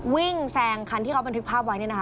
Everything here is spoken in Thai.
วิ่งแซงคันที่เขาเป็นทริคภาพไว้